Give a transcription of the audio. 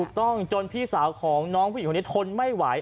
ถูกต้องจนพี่สาวของน้องผู้หญิงเค้าเนี่ยทนไม่ไหว